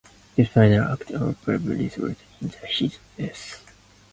This final act of bravery resulted in his death.